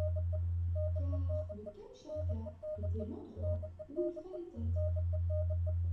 Car le Kamchatka était l'endroit où il fallait être.